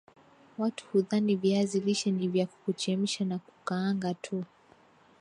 watu hudhani viazi lishe nivya kuchemsha na kukaanga tu